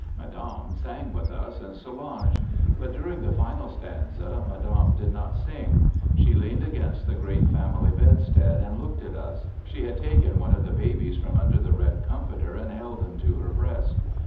Madame sang with us, and Solange. But during the final stanza Madame did not sing. She leaned against the great family bedstead and looked at us. She had taken one of the babies from under the red comforter and held him to her breast.